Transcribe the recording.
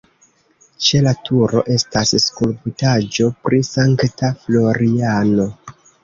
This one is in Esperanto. Ĉe la turo estas skulptaĵo pri Sankta Floriano.